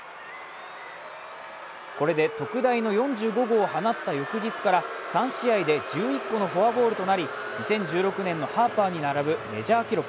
これで特大の４５号を放った翌日から３試合で１１個のフォアボールとなり、２０１６年のハーパーに並ぶメジャー記録。